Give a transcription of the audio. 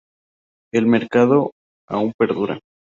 El mercado aún perdura.